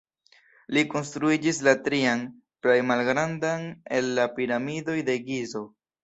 Li konstruigis la trian, plej malgrandan el la Piramidoj de Gizo.